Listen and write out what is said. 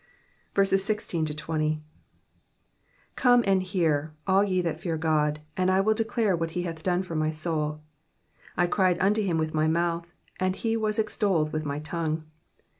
1 6 Come and hear, all ye that fear God, and I will declare what he hath done for my souL 17 1 cried unto him with my mouth, and he was extolled with my tongue.